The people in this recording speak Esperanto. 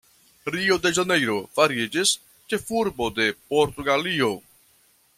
Rio-de-Ĵanejro fariĝis ĉefurbo de Portugalio.